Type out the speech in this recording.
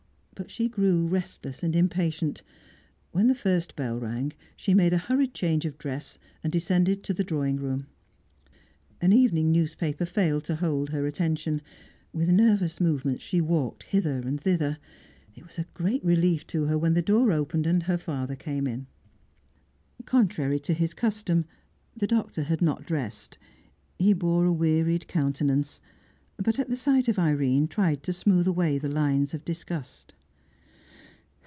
But she grew restless and impatient; when the first bell rang, she made a hurried change of dress, and descended to the drawing room. An evening newspaper failed to hold her attention; with nervous movements, she walked hither and thither. It was a great relief to her when the door opened and her father came in. Contrary to his custom, the Doctor had not dressed. He bore a wearied countenance, but at the sight of Irene tried to smooth away the lines of disgust.